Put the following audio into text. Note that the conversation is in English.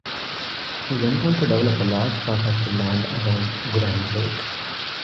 He went on to develop a large part of the land Around Grand Lake.